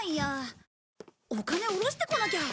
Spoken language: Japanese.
お金下ろしてこなきゃ。